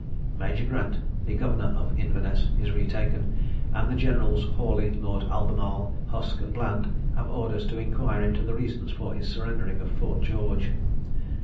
Major Grant, the governor of Inverness, is retaken, and the Generals Hawley, Lord Albemarle, Huske, and Bland, have orders to inquire into the reasons for his surrendering of Fort George.